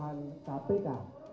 dan melawan pelemahan kpk